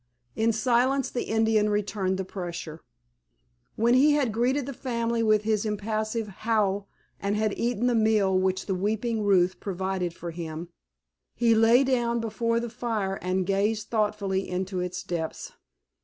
In silence the Indian returned the pressure. When he had greeted the family with his impassive "How," and had eaten the meal which the weeping Ruth provided for him, he lay down before the fire and gazed thoughtfully into its depths.